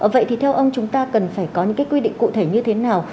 vậy thì theo ông chúng ta cần phải có những cái quy định cụ thể như thế nào